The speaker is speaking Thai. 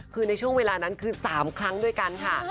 คือในช่วงเวลานั้นคือ๓ครั้งด้วยกันค่ะ